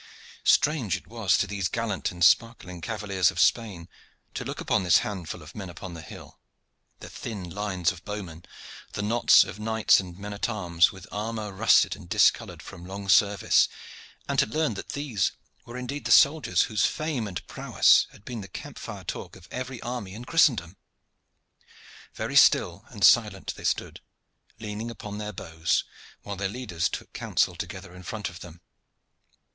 Strange it was to these gallant and sparkling cavaliers of Spain to look upon this handful of men upon the hill, the thin lines of bowmen, the knots of knights and men at arms with armor rusted and discolored from long service, and to learn that these were indeed the soldiers whose fame and prowess had been the camp fire talk of every army in Christendom. Very still and silent they stood, leaning upon their bows, while their leaders took counsel together in front of them.